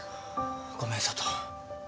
ごめん佐都。